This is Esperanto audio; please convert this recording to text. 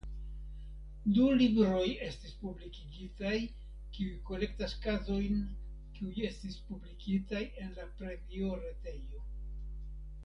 Du libroj estis publikigitaj kiuj kolektas kazojn kiuj estis publikigitaj en la premioretejo.